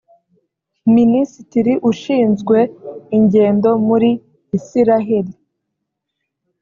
Minisitiri ushinzwe ingendo muri Isiraheli